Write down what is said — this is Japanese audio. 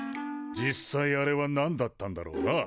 実際あれはなんだったんだろうな。